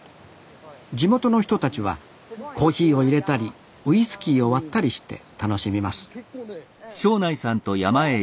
地元の人たちはコーヒーをいれたりウイスキーを割ったりして楽しみますこれ？